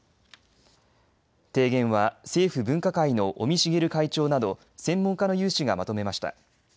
提言は政府分科会の尾身茂会長など専門家の有志がまとめました。